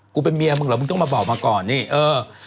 เป็นเมียมึงเหรอมึงต้องมาบอกมาก่อนนี่เออ